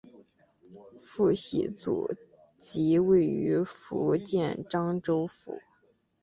父系祖籍位于福建漳州府。